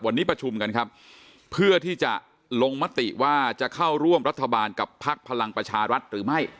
วันนี้ประชุมกันครับเพื่อที่จะลงมติว่าจะเข้าร่วมรัฐบาลกับพักพลังประชารัฐหรือไม่